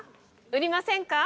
売りませんか？